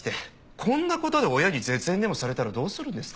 こんな事で親に絶縁でもされたらどうするんですか？